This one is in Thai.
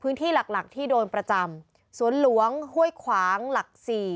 พื้นที่หลักที่โดนประจำสวนหลวงห้วยขวางหลักศรี